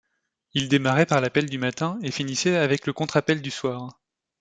Il démarrait par l’appel du matin et finissait avec le contre-appel du soir.